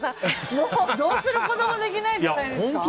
もう、どうすることもできないじゃないですか。